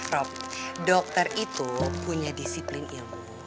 rob dokter itu punya disiplin ilmu